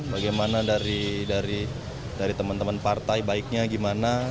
bagaimana dari teman teman partai baiknya gimana